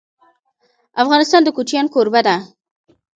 افغانستان د کوچیان کوربه دی.